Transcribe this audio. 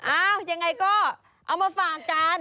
ยังไงก็เอามาฝากกัน